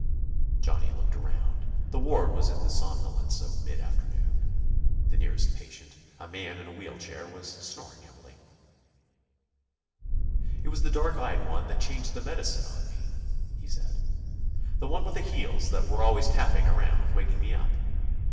Johnny looked around. The ward was in the somnolence of mid afternoon. The nearest patient, a man in a wheel chair, was snoring heavily. "It was the dark eyed one that changed the medicine on me," he said. "The one with the heels that were always tapping around, waking me up.